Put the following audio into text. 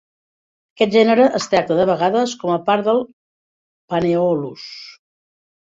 Aquest gènere es tracta, de vegades, com a part del "Panaeolus".